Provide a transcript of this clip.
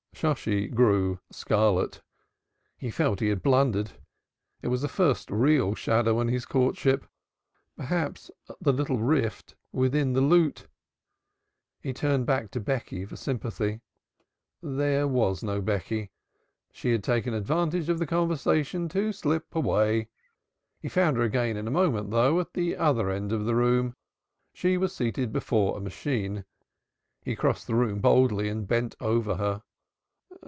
Shosshi grew scarlet; he felt he had blundered. It was the first real shadow on his courtship perhaps the little rift within the lute. He turned back to Becky for sympathy. There was no Becky. She had taken advantage of the conversation to slip away. He found her again in a moment though, at the other end of the room. She was seated before a machine. He crossed the room boldly and bent over her.